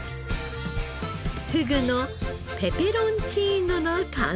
ふぐのペペロンチーノの完成。